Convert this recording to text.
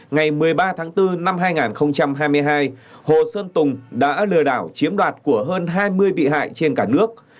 ngày một mươi ba tháng bốn năm hai nghìn hai mươi hai hồ xuân tùng đã lừa đảo chiếm đoạt của hơn hai mươi bị hại trên cả nước